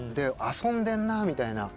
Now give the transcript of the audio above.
遊んでんなみたいな。